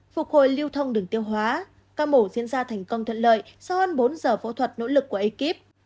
phục hồi lưu thông đường tiêu hóa ca mổ diễn ra thành công thuận lợi sau hơn bốn giờ phẫu thuật nỗ lực của ekip